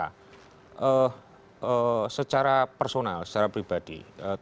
nah secara personal secara pribadi